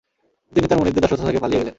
তিনি তাঁর মনিবদের দাসত্ব থেকে পালিয়ে গেলেন।